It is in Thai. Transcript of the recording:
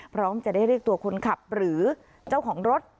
พร้อมจะได้เรียกตัวคนขับหรือเจ้าของรถ